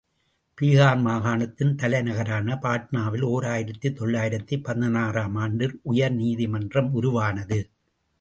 பீகார் மாகாணத்தின் தலைநகரான பாட்னாவில் ஓர் ஆயிரத்து தொள்ளாயிரத்து பதினாறு ஆம் ஆண்டில் உயர்நீதி மன்றம் உருவானது.